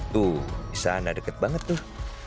tuh di sana deket banget tuh